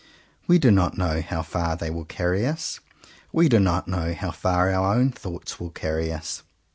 We do not know how far they will carry us. We do not know how far our own thoughts will carry us.